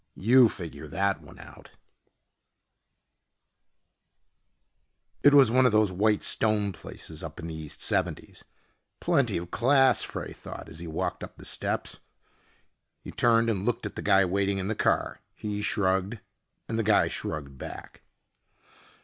You figure that one out! It was one of those white stone places up in the east seventies. Plenty of class, Frey thought as he walked up the steps. He turned and looked at the guy waiting in the car. He shrugged, and the guy shrugged back.